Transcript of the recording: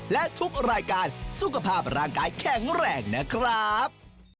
และทุกรายการสุขภาพร่างกายแข็งแรงนะครับ